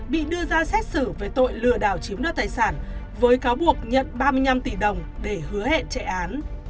bị đưa ra xét xử về tội lừa đảo chiếm đoạt tài sản với cáo buộc nhận ba mươi năm tỷ đồng để hứa hẹn chạy án